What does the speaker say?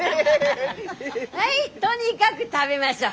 はいとにかぐ食べましょう。